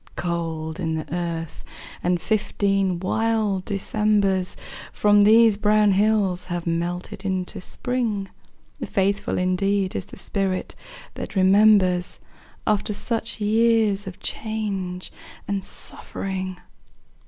Cold in the earth, and fifteen wild Decembers From these brown hills have melted into Spring. Faithful indeed is the spirit that remembers After such years of change and suffering!